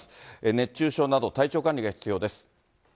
熱中症など、体調管理が必要です。